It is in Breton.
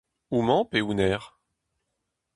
Homañ pe honnezh ?